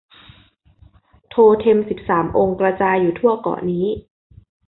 โทเท็มสิบสามองค์กระจายอยู่ทั่วเกาะนี้